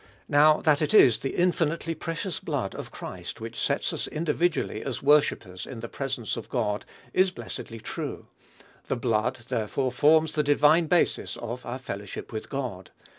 Now, that it is the infinitely precious blood of Christ which sets us individually as worshippers in the presence of God is blessedly true. The blood, therefore, forms the divine basis of our fellowship with God.